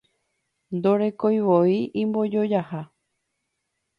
Ndorekoivoi imbojojaha